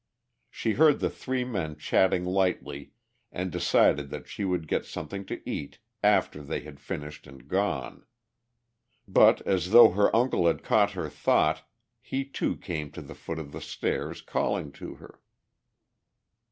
She heard the three men chatting lightly and decided that she would get something to eat after they had finished and gone. But as though her uncle had caught her thought he too came to the foot of the stairs, calling to her.